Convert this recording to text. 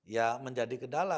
ya menjadi kendala